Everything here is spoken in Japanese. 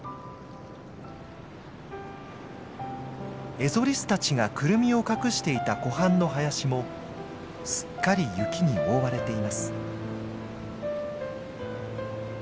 エゾリスたちがクルミを隠していた湖畔の林もすっかり雪に覆われています。